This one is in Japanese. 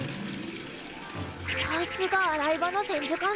さすが洗い場の千手観音！